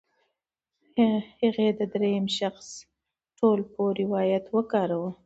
هغې د درېیم شخص ټولپوه روایت وکاراوه.